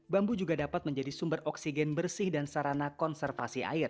bambu juga dapat menjadi sumber oksigen bersih dan sarana konservasi air